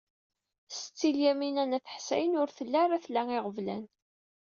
Setti Lyamina n At Ḥsayen ur telli ara tla iɣeblan.